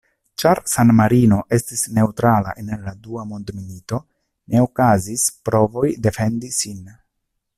Ĉar San-Marino estis neŭtrala en la dua mondmilito, ne okazis provoj defendi sin.